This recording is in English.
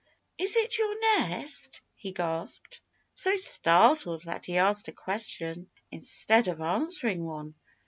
"Is it your nest?" he gasped, so startled that he asked a question instead of answering one.